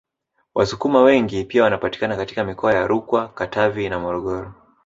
Wasukuma wengi pia wanapatikana katika mikoa ya RukwaKatavi na Morogoro